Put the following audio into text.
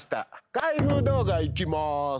開封動画いきます。